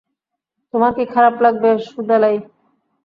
তোমার কি খারাপ লাগবে, সুদালাই?